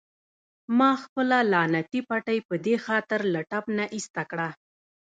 ما خپله لعنتي پټۍ په دې خاطر له ټپ نه ایسته کړه.